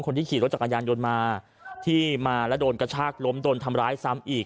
ขี่รถจักรยานยนต์มาที่มาแล้วโดนกระชากล้มโดนทำร้ายซ้ำอีก